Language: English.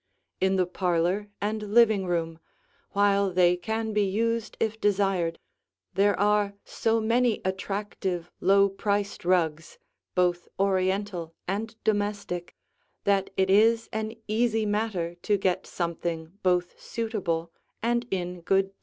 In the parlor and living room, while they can be used if desired, there are so many attractive low priced rugs, both Oriental and domestic, that it is an easy matter to get something both suitable and in good taste.